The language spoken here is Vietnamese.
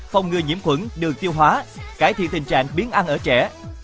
phòng ngừa nhiễm khuẩn đường tiêu hóa cải thiện tình trạng biến ăn ở trẻ